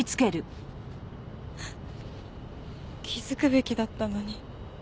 気づくべきだったのに。